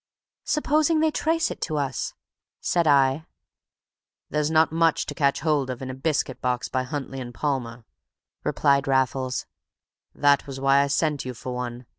"Supposing they trace it to us?" said I. "There's not much to catch hold of in a biscuit box by Huntley & Palmer," replied Raffles; "that was why I sent you for one.